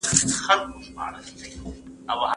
ته جادوگره يې منم شاعرې